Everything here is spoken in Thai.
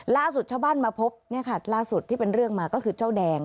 ล่าสุดชาวบ้านมาพบล่าสุดที่เป็นเรื่องมาก็คือเจ้าแดง